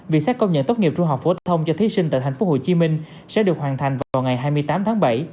việc xét công nhận tốt nghiệp trung học phổ thông cho thí sinh tại tp hcm sẽ được hoàn thành vào ngày hai mươi tám tháng bảy